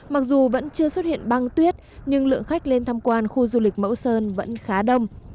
mặc dù vẫn chưa xuất hiện băng tuyết nhưng lượng khách lên tham quan khu du lịch mẫu sơn vẫn khá đông